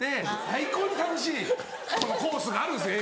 最高に楽しいコースがあるんですよ